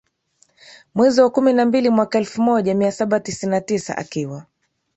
mwezi wa kumi na mbili mwaka elfu moja mia saba tisini na tisa akiwa